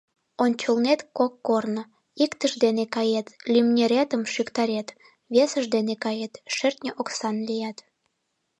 Ончылнет кок корно: иктыж дене кает — лӱмнеретым шӱктарет; весыж дене кает — шӧртньӧ оксан лият.